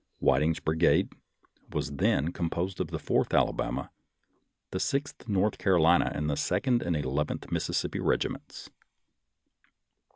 Whiting's brigade was then 12 INTRODUCTION composed of the Fourth Alabama, the Sixth North Carolina, and the Second and Eleventh Mississippi regiments.